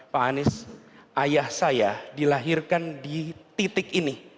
pak anies ayah saya dilahirkan di titik ini